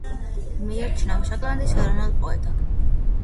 მიიჩნევა შოტლანდიის ეროვნულ პოეტად.